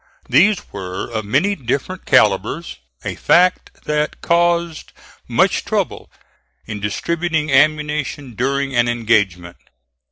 These were of many different calibers, a fact that caused much trouble in distributing ammunition during an engagement.